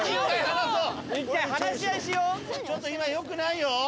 ちょっと今よくないよ。